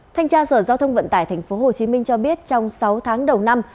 thanh tra sở giao thông vận tải tp hcm cho biết trong sáu tháng đầu năm